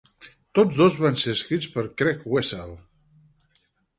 Tots dos van ser escrits per Craig Wessel.